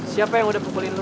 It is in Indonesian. siapa yang udah pukulin